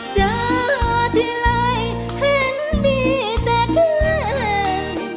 เจอที่ไหล่เห็นมีแต่แค่เอง